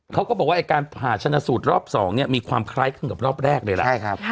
เขาก็บอกว่าไอ้การผ่าชนะสูตรรอบ๒เนี่ยมีความคล้ายครึ่งกับรอบแรกเลยล่ะ